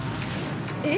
えっ！？